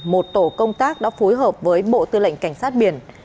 một tổ công tác đã phối hợp với bộ tư lệnh cảnh sát biển